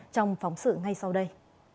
trong phóng sự ngay sau đây